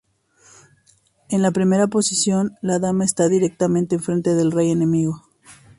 En la primera posición, la dama está directamente enfrente del rey enemigo.